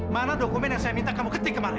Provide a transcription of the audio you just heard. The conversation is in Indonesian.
mana dokumen yang saya minta kamu ketik kemarin